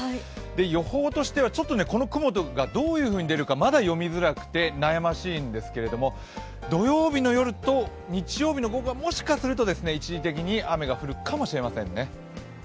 予報としてはちょっとこの雲がどういう風に出うか悩ましいんですけど、土曜日の夜と日曜日の午後はもしかすると一時的に雨が降るかも知れませんね。